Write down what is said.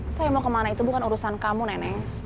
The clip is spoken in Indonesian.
saya mau kemana itu bukan urusan kamu neneng